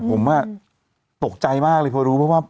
ผมอะตกใจมากเลยเพราะรู้ว่า